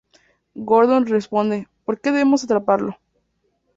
Gordon responde: ""Porque debemos atraparlo.